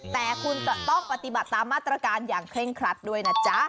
แต่คุณจะต้องปฏิบัติตามมาตรการอย่างเคร่งครัดด้วยนะจ๊ะ